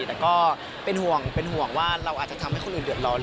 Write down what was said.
แต่ก็เป็นห่วงเป็นห่วงว่าเราอาจจะทำให้คนอื่นเดือดร้อน